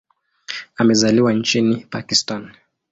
Amezaliwa nchini Pakistan.